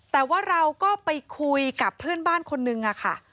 แต่ว่าเราก็ไปคุยกับเพื่อนบ้านคนนึงค่ะ